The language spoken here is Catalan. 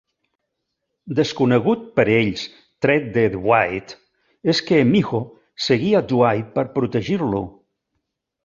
Desconegut per ells tret de Dwight, és que Miho seguia Dwight per protegir-lo.